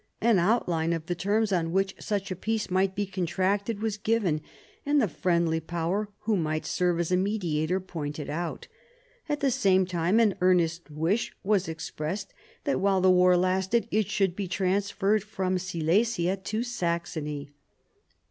An outline of the terms on which such a peace might be contracted was given, and the friendly Power who might serve as mediator pointed out. At the same time an earnest wish was expressed that while the war lasted it should be transferred from Silesia to Saxony.